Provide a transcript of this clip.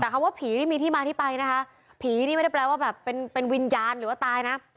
แต่คำว่าผีนี่มีที่มาที่ไปนะคะผีนี่ไม่ได้แปลว่าแบบเป็นวิญญาณหรือว่าตายนะ